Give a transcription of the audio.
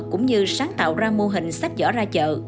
cũng như sáng tạo ra mô hình sách giỏ ra chợ